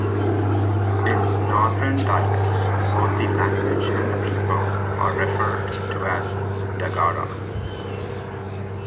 In northern dialects, both the language and the people are referred to as Dagara.